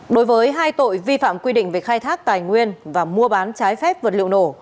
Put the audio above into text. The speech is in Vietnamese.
đối với hai tội vi phạm quy định về khai thác tài nguyên và mua bán trái phép vật liệu nổ